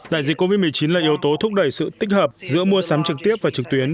đại dịch covid một mươi chín là yếu tố thúc đẩy sự tích hợp giữa mua sắm trực tiếp và trực tuyến